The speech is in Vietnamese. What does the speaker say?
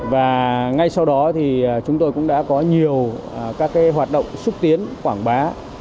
và ngay sau đó thì chúng tôi cũng đã có nhiều các hoạt động xúc tiến quảng bá